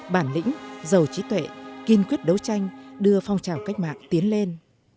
bản lĩnh giàu trí tuệ kiên quyết đấu tranh đưa phong trào cách mạng tiến lên